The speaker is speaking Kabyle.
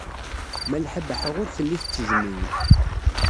Malḥa Baḥa ur telli tettejjem-iyi.